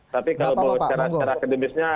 tapi kalau mau cara cara akademisnya